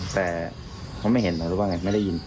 แต่เขาไม่เห็นหรือว่าไงไม่ได้ยิน